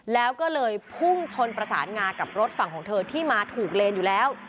แล้วก็เลยพุ่งชนประสานงากับรถฝั่งของเธอที่มาถูกเลนอยู่แล้ว